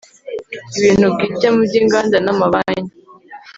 ibintu bwite mu by inganda na mabanki